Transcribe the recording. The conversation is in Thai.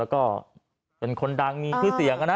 แล้วก็เป็นคนดังมีชื่อเสียงนะ